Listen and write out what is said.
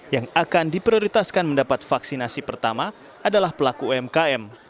yang akan diprioritaskan mendapat vaksinasi pertama adalah pelaku umkm